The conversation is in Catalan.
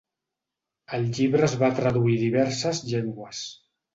El llibre es va traduir a diverses llengües.